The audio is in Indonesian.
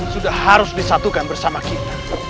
sudah harus disatukan bersama kita